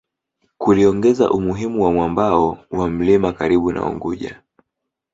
Kuliongeza umuhimu wa mwambao wa mlima karibu na Unguja